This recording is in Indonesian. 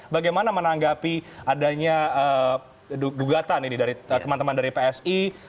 bagaimana menanggapi adanya gugatan ini dari teman teman dari psi